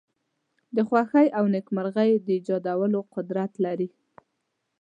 د خوښۍ او نېکمرغی د ایجادولو قدرت لری.